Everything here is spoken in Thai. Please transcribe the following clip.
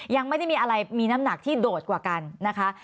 ยังไม่ได้มีอะไรมีน้ำหนักที่โดดกว่ากันนะคะ